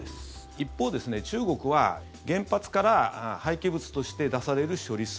一方ですね、中国は原発から廃棄物として出される処理水